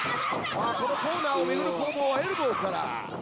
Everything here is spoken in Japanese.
コーナーを巡る攻防はエルボーから。